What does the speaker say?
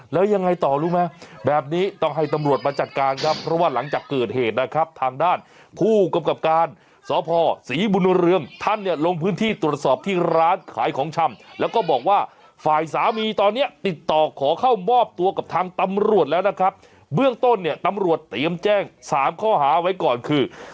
แล้วยังไงต่อรู้ไหมแบบนี้ต้องให้ตำรวจมาจัดการครับเพราะว่าหลังจากเกิดเหตุนะครับทางด้านผู้กำกับการสพศรีบุญเรืองท่านเนี่ยลงพื้นที่ตรวจสอบที่ร้านขายของชำแล้วก็บอกว่าฝ่ายสามีตอนเนี้ยติดต่อขอเข้ามอบตัวกับทางตำรวจแล้วนะครับเบื้องต้นเนี่ยตำรวจเตรียมแจ้งสามข้อหาไว้ก่อนคือ